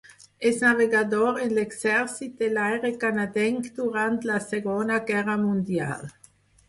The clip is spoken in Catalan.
És navegador en l'Exèrcit de l'aire canadenc durant la Segona Guerra mundial.